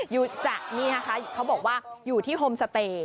จะนี่นะคะเขาบอกว่าอยู่ที่โฮมสเตย์